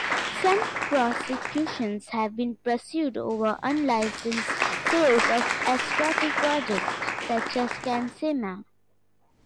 Some prosecutions have been pursued over unlicensed sales of escharotic products such as Cansema.